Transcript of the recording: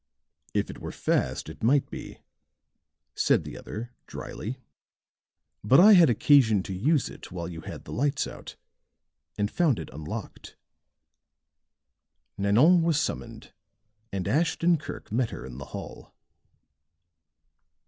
"If it were fast it might be," said the other, drily. "But I had occasion to use it while you had the lights out, and found it unlocked." Nanon was summoned and Ashton Kirk met her in the hall.